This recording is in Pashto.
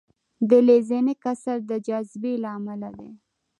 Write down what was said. د لینزینګ اثر د جاذبې له امله دی.